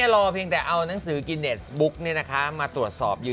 รอไปดำน้ำด้วย